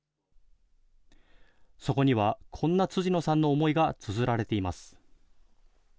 そこにはこんな辻野さんの思いがつづられています。